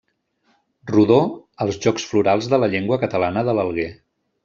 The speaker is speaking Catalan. Rodó als Jocs Florals de la Llengua Catalana de l'Alguer.